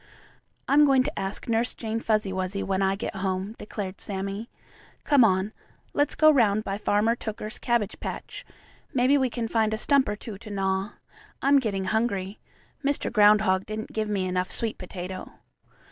"I'm going to ask Nurse Jane Fuzzy Wuzzy when I get home," declared Sammie. "Come on, let's go 'round by Farmer Tooker's cabbage patch. Maybe we can find a stump or two to gnaw. I'm getting hungry. Mr. Groundhog didn't give me enough sweet potato."